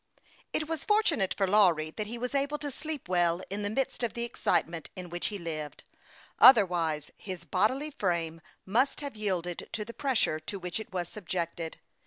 IT was fortunate for Lawry that he was able to sleep well in the midst of the excitement in which he lived ; otherwise his bodily frame must have yielded to the pressure to which it was subjected.